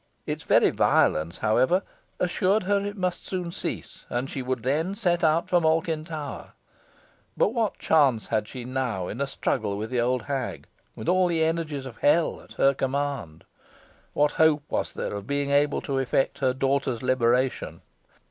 Its very violence, however, assured her it must soon cease, and she would then set out for Malkin Tower. But what chance had she now in a struggle with the old hag, with all the energies of hell at her command? what hope was there of her being able to effect her daughter's liberation?